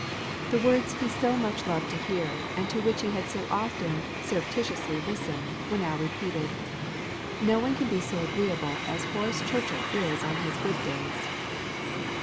The words he so much loved to hear, and to which he had so often surreptitiously listened, were now repeated, 'No one can be so agreeable as Horace Churchill is on his good days!